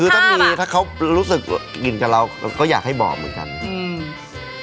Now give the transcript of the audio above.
คือถ้ามีถ้าเขารู้สึกกินกับเราก็อยากให้บอกเหมือนกันอืม